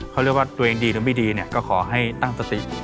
เขาเรียกว่าตัวเองดีหรือไม่ดีเนี่ยก็ขอให้ตั้งสติ